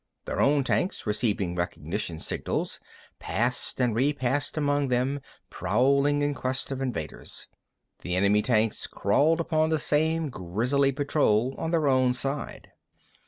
Their own tanks, receiving recognition signals, passed and repassed among them, prowling in quest of invaders. The enemy tanks crawled upon the same grisly patrol on their own side.